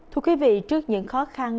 thưa quý vị trước những khó khăn